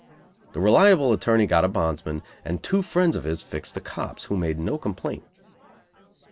The reliable attorney got a bondsman, and two friends of his "fixed" the cops, who made no complaint.